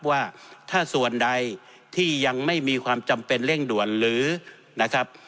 ว่าถ้าส่วนใดที่ยังไม่มีความจำเป็นเร่งด่วนหรือนะครับ